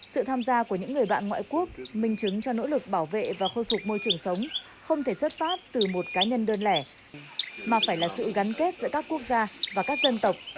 sự tham gia của những người bạn ngoại quốc minh chứng cho nỗ lực bảo vệ và khôi phục môi trường sống không thể xuất phát từ một cá nhân đơn lẻ mà phải là sự gắn kết giữa các quốc gia và các dân tộc